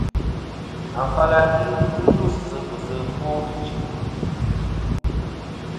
Afal a ghɨ ghɨ us sɨ fɨsi ɨfwo ichɨ.